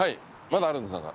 まだあるんですか？